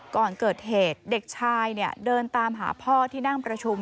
ก่อนเกิดเหตุเด็กชายเดินตามหาพ่อที่นั่งประชุม